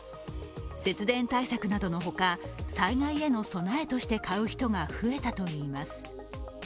節電対策などのほか、災害への備えとして買う人が増えたといいます。